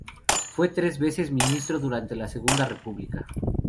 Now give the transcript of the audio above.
Fue tres veces ministro durante la Segunda República.